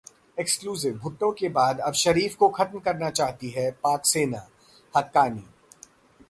Exclusive: Bhutto के बाद अब शरीफ को खत्म करना चाहती है पाक सेना: हक्कानी